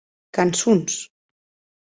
Cançons!